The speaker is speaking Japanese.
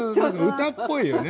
歌っぽいよね。